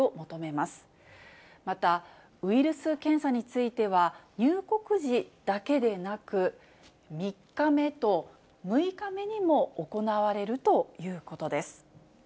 また、ウイルス検査については、入国時だけでなく、３日目と６日目にも行われるということです。